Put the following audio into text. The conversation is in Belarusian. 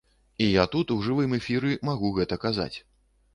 І я тут у жывым эфіры магу гэта казаць.